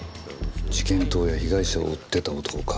事件当夜被害者を追ってた男か。